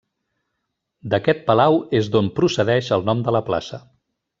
D'aquest palau és d'on procedeix el nom de la plaça.